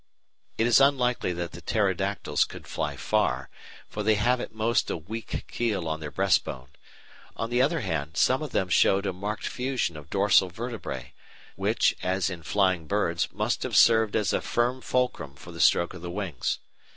It is unlikely that the Pterodactyls could fly far, for they have at most a weak keel on their breast bone; on the other hand, some of them show a marked fusion of dorsal vertebræ, which, as in flying birds, must have served as a firm fulcrum for the stroke of the wings.